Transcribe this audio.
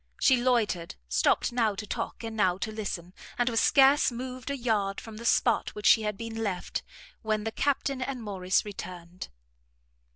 She loitered, stopt now to talk, and now to listen, and was scarce moved a yard from the spot where she had been left, when the Captain and Morrice returned.